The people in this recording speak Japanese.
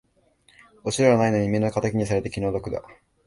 落ち度はないのに目の敵にされて気の毒だ